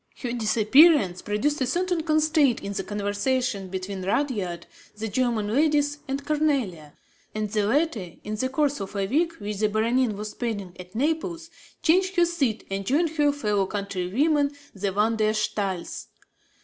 Her disappearance produced a certain constraint in the conversation between Rudyard, the German ladies and Cornélie; and the latter, in the course of a week which the Baronin was spending at Naples, changed her seat and joined her fellow countrywomen the Van der Staals.